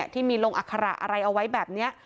ที่มีลงอัคระอะไรเอาไว้แบบนี้